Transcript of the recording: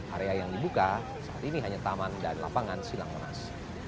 area yang dibuka saat ini hanya taman dan lapangan silang monas